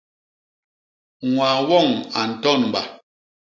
Ñwaa woñ a ntonba.